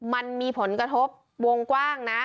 มันมีผลกระทบวงกว้างนะ